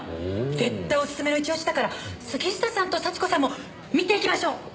絶対おすすめの一押しだから杉下さんと幸子さんも見ていきましょう！ね？